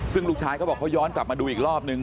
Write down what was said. ซึ่งลูกชายเขาบอกเขาย้อนกลับมาดูอีกรอบนึง